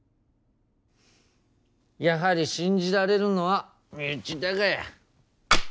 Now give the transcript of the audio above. やはり信じられるのは身内だがや。